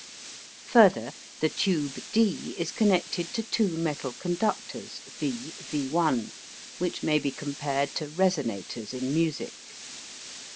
Further, the tube d is connected to two metal conductors V Vl, which may be compared to resonators in music.